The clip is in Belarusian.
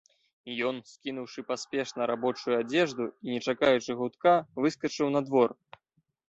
Ён, скінуўшы паспешна рабочую адзежу і не чакаючы гудка, выскачыў на двор.